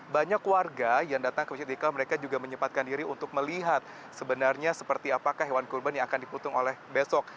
banyak warga yang datang ke masjid iqlal mereka juga menyempatkan diri untuk melihat sebenarnya seperti apakah hewan kurban yang akan diputung oleh besok